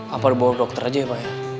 apa dibawa dokter aja ya pak ya